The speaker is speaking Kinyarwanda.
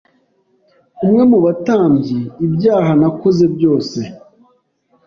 umwe mu batambyi ibyaha nakoze byose